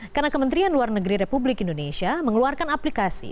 karena kementerian luar negeri republik indonesia mengeluarkan aplikasi